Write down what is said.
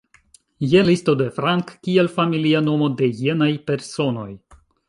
Jen listo de Frank kiel familia nomo de jenaj personoj.